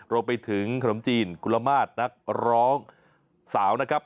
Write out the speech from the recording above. รวมไปถึงขนมจีนกุลมาตรนักร้องสาวนะครับ